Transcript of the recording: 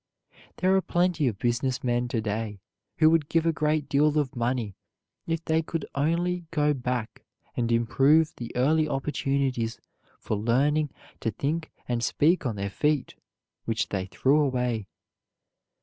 There are plenty of business men to day who would give a great deal of money if they could only go back and improve the early opportunities for learning to think and speak on their feet which they threw away.